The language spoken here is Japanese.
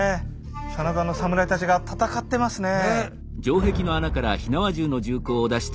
真田の侍たちが戦ってますねえ。